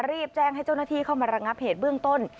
รีบแจ้งให้เจ้าหน้าที่เข้ามาระงับเหตุเบื้องต้น